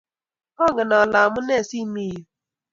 angen ale amunee si mii yu.